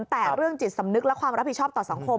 แต่เรื่องจิตสำนึกและความรับผิดชอบต่อสังคม